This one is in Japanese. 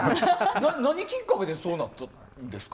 何きっかけでそうなったんですか？